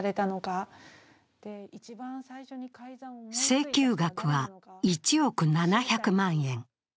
請求額は１億７００万円。